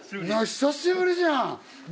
久しぶりじゃん。